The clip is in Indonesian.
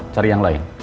cari yang lain